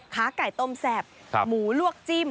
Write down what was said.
ขาไก่ต้มแซ่บหมูลวกจิ้ม